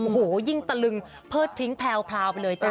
โอ้โฮยิ่งตะลึงเพิ่งพลิ้งแพลวเลยจ้ะ